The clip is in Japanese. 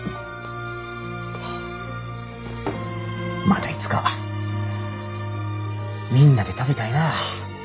またいつかみんなで食べたいな。